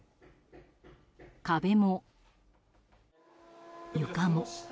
壁も、床も。